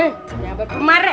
eh nyabar pemarah